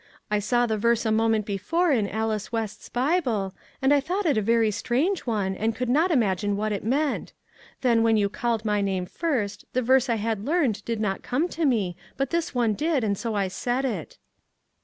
I saw the verse a moment before in Alice West's Bible, and I thought it a very strange one and could not imagine what it meant. Then, when you called my name first, the verse I had MAG AND MARGARET learned did not come to me, but this one did, and so I said it."